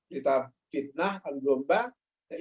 berita fitnah anggombang